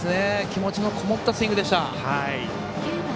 気持ちのこもったスイングでした。